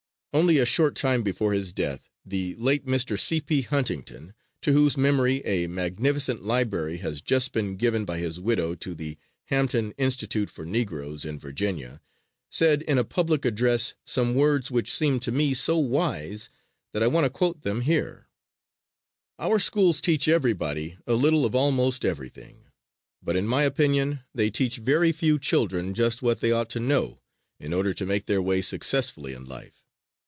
Only a short time before his death the late Mr. C.P. Huntington, to whose memory a magnificent library has just been given by his widow to the Hampton Institute for Negroes, in Virginia, said in a public address some words which seem to me so wise that I want to quote them here: "Our schools teach everybody a little of almost everything, but, in my opinion, they teach very few children just what they ought to know in order to make their way successfully in life.